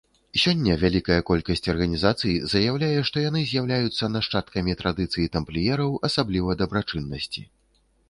Сёння вялікая колькасць арганізацый заяўляе, што яны з'яўляюцца нашчадкамі традыцый тампліераў, асабліва дабрачыннасці.